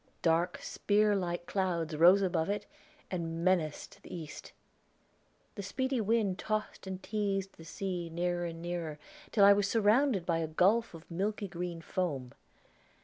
Dark, spear like clouds rose above it and menaced the east. The speedy wind tossed and teased the sea nearer and nearer, till I was surrounded by a gulf of milky green foam.